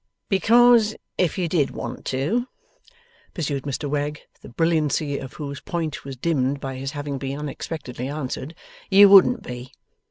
'Because if you did want to,' pursued Mr Wegg, the brilliancy of whose point was dimmed by his having been unexpectedly answered: 'you wouldn't be.